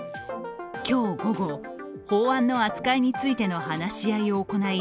今日午後、法案の扱いについての話し合いを行い